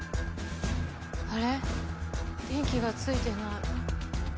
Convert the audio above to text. あれ電気がついてない。